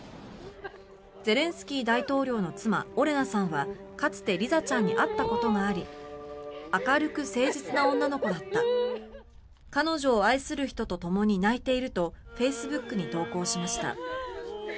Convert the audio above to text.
ゼレンスキー大統領の妻オレナさんはかつてリザちゃんに会ったことがあり明るく誠実な女の子だった彼女を愛する人とともに泣いているとフェイスブックに投稿しました。